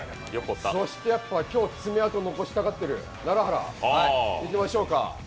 そして、今日、爪痕残したがってる楢原、いきましょうか。